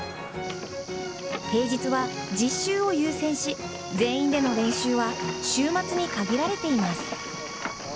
平日は実習を優先し、全員での練習は週末に限られています。